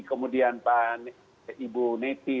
kemudian pak ibu neti